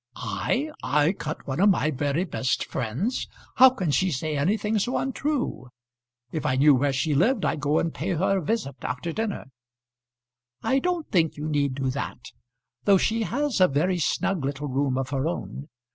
"I! I cut one of my very best friends! How can she say anything so untrue? If I knew where she lived I'd go and pay her a visit after dinner." "I don't think you need do that, though she has a very snug little room of her own.